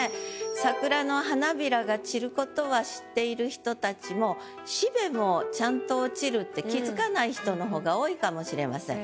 桜の花びらが散ることは知っている人たちもって気づかない人の方が多いかもしれません。